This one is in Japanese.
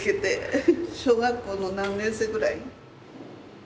小学校の何年生ぐらい？